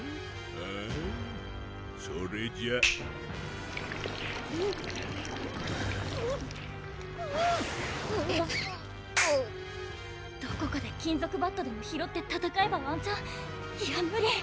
ふんそれじゃどこかで金属バットでも拾って戦えばワンチャンいや無理！